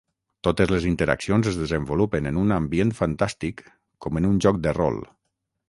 Totes les interaccions es desenvolupen en un ambient fantàstic com en un joc de rol.